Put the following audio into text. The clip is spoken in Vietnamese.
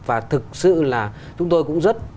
và thực sự là chúng tôi cũng rất